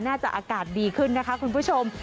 อากาศดีขึ้นนะคะคุณผู้ชม